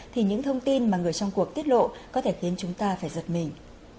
thì những thông tin mà người trong cuộc tiết lộ có thể khiến chúng ta phải giật mình